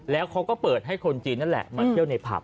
แล้วเขาก็เปิดให้คนจีนนั่นแหละมาเที่ยวในผับ